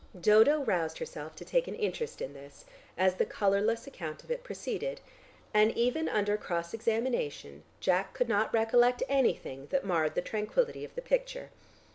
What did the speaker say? Dodo roused herself to take an interest in this, as the colourless account of it proceeded, and even under cross examination Jack could not recollect anything that marred the tranquillity of the picture.